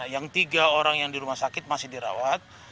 yang tiga orang yang di rumah sakit masih dirawat